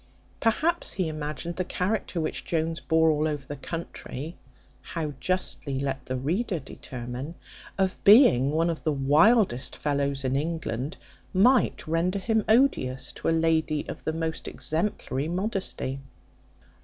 Perhaps he imagined the character which Jones bore all over the country (how justly, let the reader determine), of being one of the wildest fellows in England, might render him odious to a lady of the most exemplary modesty.